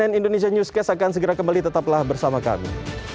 dan cnn indonesia newscast akan segera kembali tetaplah bersama kami